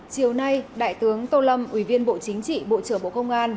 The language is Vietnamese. chiều nay đại tướng tô lâm ủy viên bộ chính trị bộ trưởng bộ công an